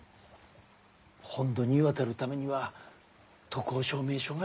本土に渡るためには渡航証明書が要る。